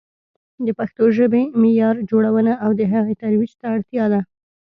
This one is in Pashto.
د پښتو ژبې معیار جوړونه او د هغې ترویج ته اړتیا ده.